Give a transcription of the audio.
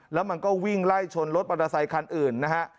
แล้วมันก็วิ่งไล่ชนรถปาราไซค์คันอื่นนะฮะ